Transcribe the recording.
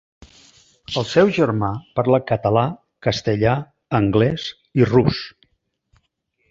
El seu germà parla català, castellà, anglès i rus.